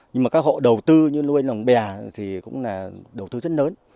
nhưng mà các hộ đầu tư như nuôi lồng bè thì cũng là đầu tư rất lớn